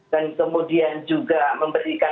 dan kemudian juga memberikan kesempatan